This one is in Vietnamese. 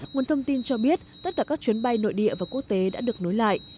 nguồn thông tin cho biết tất cả các chuyến bay nội địa và quốc tế đã được nối lại